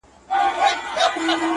سپینه بیړۍ د جادویې ریالیزم